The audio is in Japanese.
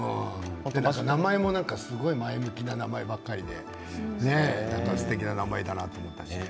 名前もなんかすごい前向きな名前ばかりですてきな名前だなと思ったし。